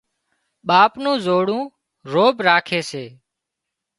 ٻاپ نُون زوڙون روڀ راکي سي